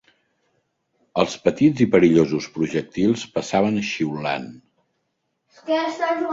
Els petits i perillosos projectils passaven xiulant